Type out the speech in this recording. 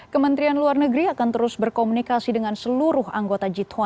kementerian luar negeri akan terus berkomunikasi dengan seluruh anggota g dua puluh